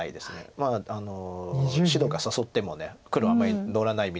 まあ白が誘っても黒あんまり乗らないみたいな。